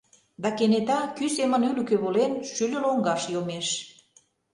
Да кенета, кӱ семын ӱлыкӧ волен, шӱльӧ лоҥгаш йомеш.